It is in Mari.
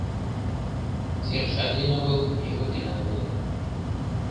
Серышат лийын огыл, йыҥгыртенат огытыл.